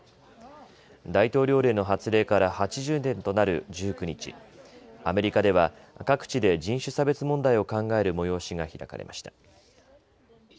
大統領令の発令から８０年となる１９日、アメリカでは各地で人種差別問題を考える催しが開かれました。